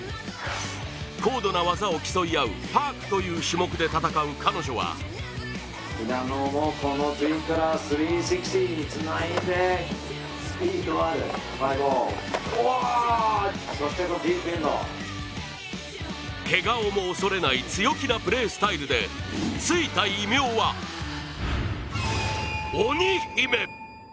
高度な技を競い合うパークという種目で戦う彼女はけがをも恐れない強気なプレースタイルでついた異名は、鬼姫。